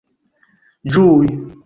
ĝui